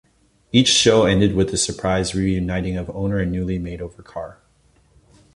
Each show ended with the surprise reuniting of owner and newly made-over car.